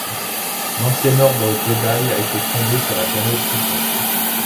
L'Ancien Ordre Je'daii a été fondé sur la planète Tython.